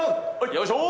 よいしょ！